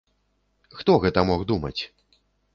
Хто гэта мог думаць?